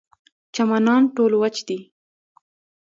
چمنان ټول وچ دي.